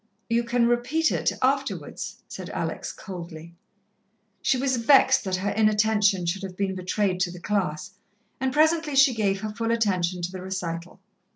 "You can repeat it afterwards," said Alex coldly. She was vexed that her inattention should have been betrayed to the class, and presently she gave her full attention to the recital.